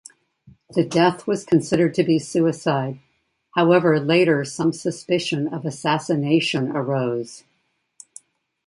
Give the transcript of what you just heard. The death was considered to be suicide, however later some suspicion of assassination arose.